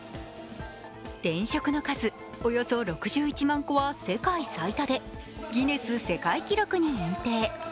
電飾の数、およそ６１万個は世界最多でギネス世界記録に認定。